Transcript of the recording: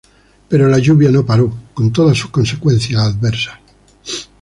Pero la lluvia no paró, con todas sus consecuencias adversas.